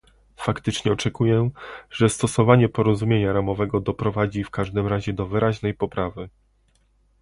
Faktycznie oczekuję, że stosowanie porozumienia ramowego doprowadzi w każdym razie do wyraźnej poprawy